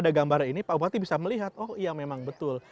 ada gambaran ini pak bupati bisa melihat oh iya memang betul